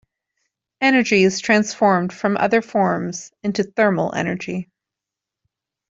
Energy is transformed from other forms into thermal energy.